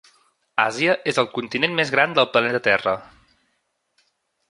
Àsia és el continent més gran del planeta Terra.